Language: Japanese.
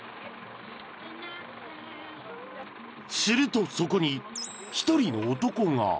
［するとそこに１人の男が］